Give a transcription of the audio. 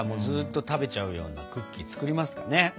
ずーっと食べちゃうようなクッキー作りますかね？